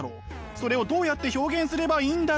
「それをどうやって表現すればいいんだろう？」。